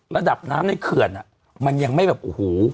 ระดับน้ำในเขื่อนมันยังไม่แบบโอ้โห